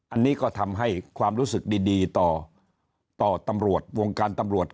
อันนี้ก็ทำให้ความรู้สึกดีต่อตำรวจวงการตำรวจ